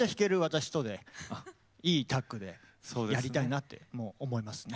私とでいいタッグでやりたいなって思いますね。